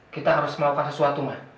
kita harus melakukan sesuatu mbak